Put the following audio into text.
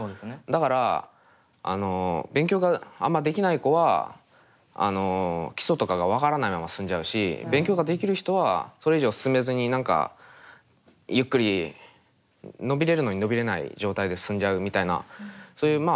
だからあの勉強があんまできない子は基礎とかが分からないまま進んじゃうし勉強ができる人はそれ以上進めずに何かゆっくり伸びれるのに伸びれない状態で進んじゃうみたいなそういうま